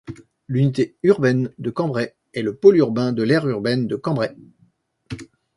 L'unité urbaine de Cambrai est le pôle urbain de l'aire urbaine de Cambrai.